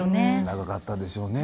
長かったでしょうね。